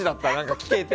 聞けて。